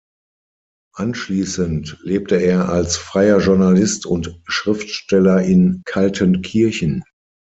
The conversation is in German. Anschließend lebte er als freier Journalist und Schriftsteller in Kaltenkirchen.